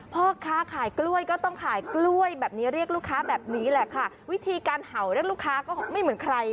พ่อค้าขายกล้วยก็ต้องขายกล้วยค่ะเพราะวิธีการห่าวแบบลูกค้าก็ไม่เหมือนใคร